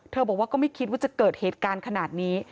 บอกว่าก็ไม่คิดว่าจะเกิดเหตุการณ์ขนาดนี้